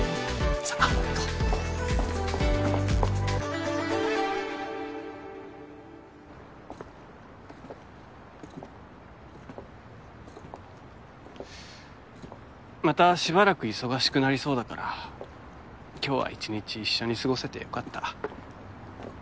さあ行こうまたしばらく忙しくなりそうだから今日は一日一緒に過ごせてよかった